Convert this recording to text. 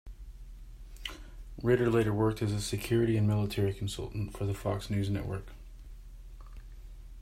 Ritter later worked as a security and military consultant for the Fox News network.